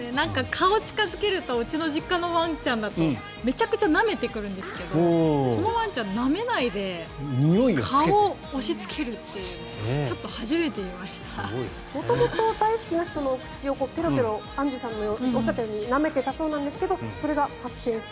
顔を近付けるとうちの実家のワンちゃんだとめちゃくちゃなめてくるんですけどこのワンちゃん、なめないで顔を押しつけるというのは元々、大好きな人の口をアンジュさんのおっしゃったようになめていたそうなんですがそれが発展して。